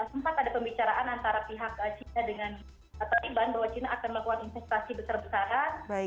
sempat ada pembicaraan antara pihak china dengan taiban bahwa china akan melakukan investasi besar besaran